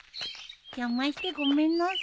邪魔してごめんなさい。